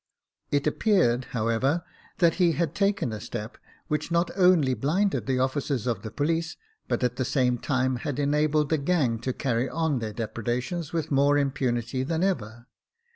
It appeared, however, that he had taken a step which not only blinded the officers of the police, but at the same time had enabled the gang to carry on their depredations with more impunity than ever.